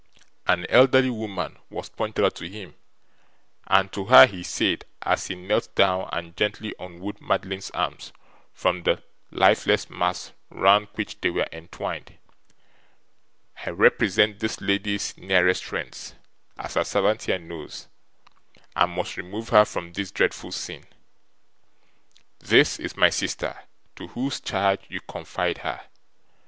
An elderly woman was pointed out to him; and to her he said, as he knelt down and gently unwound Madeline's arms from the lifeless mass round which they were entwined: 'I represent this lady's nearest friends, as her servant here knows, and must remove her from this dreadful scene. This is my sister to whose charge you confide her.